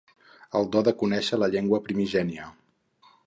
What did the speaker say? El do de conèixer la llengua primigènia.